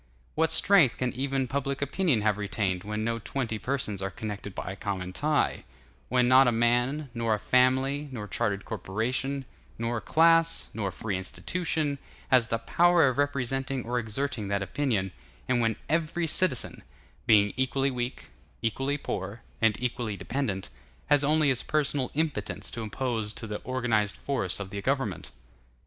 What strength can even public opinion have retained, when no twenty persons are connected by a common tie; when not a man, nor a family, nor chartered corporation, nor class, nor free institution, has the power of representing or exerting that opinion; and when every citizen—being equally weak, equally poor, and equally dependent—has only his personal impotence to oppose to the organized force of the government?